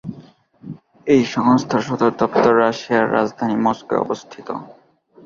এই সংস্থার সদর দপ্তর রাশিয়ার রাজধানী মস্কোয় অবস্থিত।